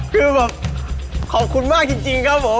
คือแบบขอบคุณมากจริงครับผม